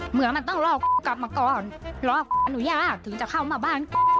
เหมือนมันต้องรอกลับมาก่อนรออนุญาตถึงจะเข้ามาบ้าน